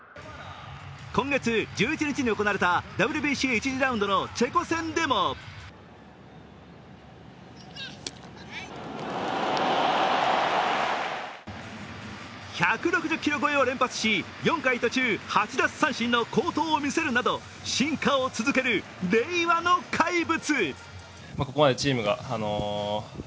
今月１１日に行われたＷＢＣ１次ラウンドのチェコ戦でも１６０キロ超えを連発し、４回途中８奪三振の好投を見せるなど、進化を続ける令和の怪物。